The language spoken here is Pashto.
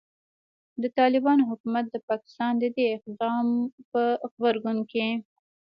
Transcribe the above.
د طالبانو حکومت د پاکستان د دې اقدام په غبرګون کې